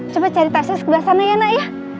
coba cari tasya di sebelah sana ya nak ya